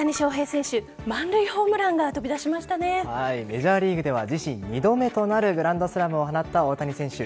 選手満塁ホームランがメジャーリーグでは自身２度目となるグランドスラムを放った大谷選手。